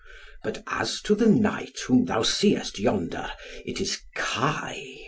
But as to the knight whom thou seest yonder, it is Kai.